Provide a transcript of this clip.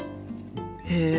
へえ！